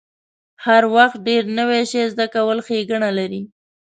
هر وخت ډیر نوی شی زده کول ښېګڼه لري.